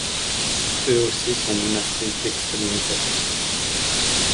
Eux aussi sont menacés d'excommunication.